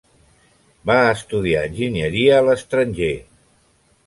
Va estudiar enginyeria a l'estranger.